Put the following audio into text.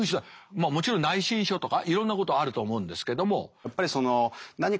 まあもちろん内申書とかいろんなことあると思うんですけども。